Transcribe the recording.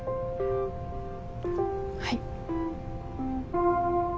はい。